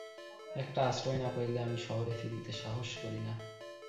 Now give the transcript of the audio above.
একটা আশ্রয় না পাইলে আমি শহরে ফিরিতে সাহস করি না।